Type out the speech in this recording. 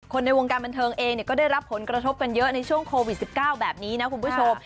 ในวงการบันเทิงเองก็ได้รับผลกระทบกันเยอะในช่วงโควิด๑๙แบบนี้นะคุณผู้ชม